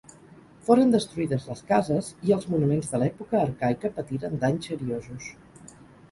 Foren destruïdes les cases, i els monuments de l'època arcaica patiren danys seriosos.